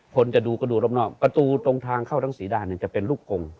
คนจะดูก็ดูรอบนอกประตูตรงทางเข้าทั้งสีด่านจะเป็นลูกกง